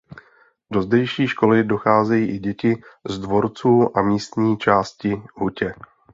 Do zdejší školy docházejí i děti z Dvorců a místní části Hutě.